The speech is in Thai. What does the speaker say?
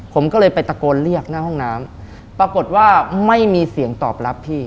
ผมก็เลยไปตะโกนเรียกหน้าห้องน้ำปรากฏว่าไม่มีเสียงตอบรับพี่